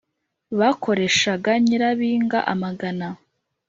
bakoreshaga nyirabinga amagana.